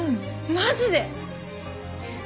マジで！？